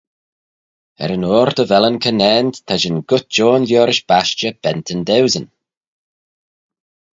Er-yn-oyr dy vel y conaant, ta shin goit ayn liorish bashtey, bentyn dauesyn.